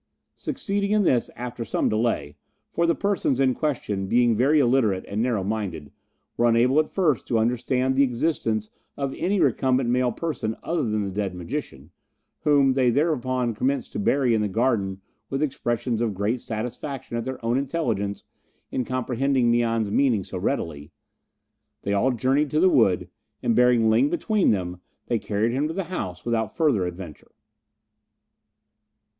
Succeeding in this after some delay (for the persons in question, being very illiterate and narrow minded, were unable at first to understand the existence of any recumbent male person other than the dead magician, whom they thereupon commenced to bury in the garden with expressions of great satisfaction at their own intelligence in comprehending Mian's meaning so readily) they all journeyed to the wood, and bearing Ling between them, they carried him to the house without further adventure.